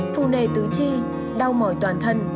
phung nề tứ chi đau mỏi toàn thân